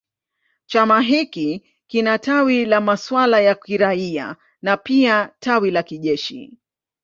Chama hiki kina tawi la masuala ya kiraia na pia tawi la kijeshi.